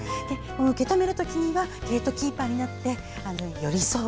受け止めるときにはゲートキーパーになって寄り添う。